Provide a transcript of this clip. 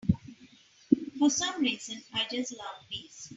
For some reason I just love bees.